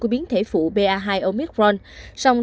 của biến thể phụ pa hai omicron